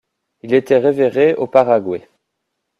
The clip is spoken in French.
Il était révéré au Paraguay.